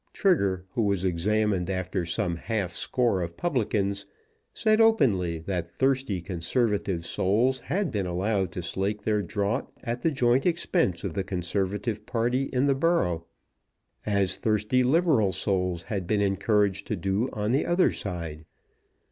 Trigger, who was examined after some half score of publicans, said openly that thirsty Conservative souls had been allowed to slake their drought at the joint expense of the Conservative party in the borough, as thirsty Liberal souls had been encouraged to do on the other side.